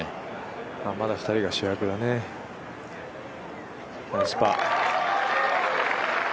まだ２人が主役だね、ナイスパー。